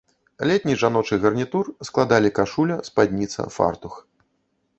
Летні жаночы гарнітур складалі кашуля, спадніца, фартух.